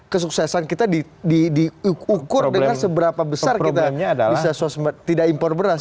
kesuksesan kita diukur dengan seberapa besar kita bisa tidak impor beras